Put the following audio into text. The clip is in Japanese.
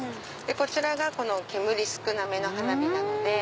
こちらが煙少なめの花火なので。